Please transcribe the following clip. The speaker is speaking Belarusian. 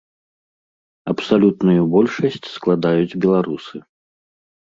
Абсалютную большасць складаюць беларусы.